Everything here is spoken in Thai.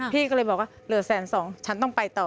พี่ก็เลยบอกว่าเหลือแสนสองฉันต้องไปต่อ